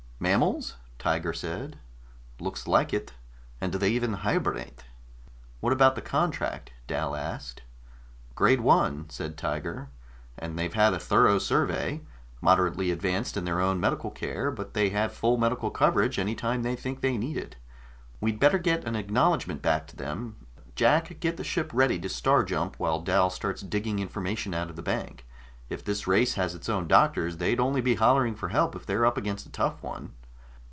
"Mammals?" Tiger said. "Looks like it. And they even hibernate." "What about the contract?" Dal asked. "Grade I," said Tiger. "And they've had a thorough survey. Moderately advanced in their own medical care, but they have full medical coverage any time they think they need it. We'd better get an acknowledgment back to them. Jack, get the ship ready to star jump while Dal starts digging information out of the bank. If this race has its own doctors, they'd only be hollering for help if they're up against a tough one."